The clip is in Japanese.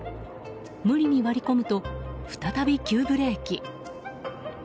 無理に割り込むと再び急ブレーキ。